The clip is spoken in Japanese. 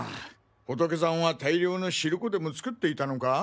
ホトケさんは大量のしるこでも作っていたのか？